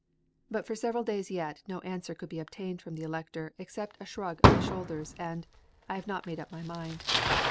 But for several days yet no answer could be obtained from the Elector except a shrug of the shoulders, and "I have not made up my mind."